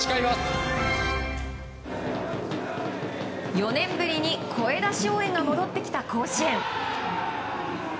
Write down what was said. ４年ぶりに声出し応援が戻ってきた甲子園。